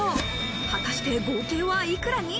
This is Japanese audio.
果たして合計はいくらに？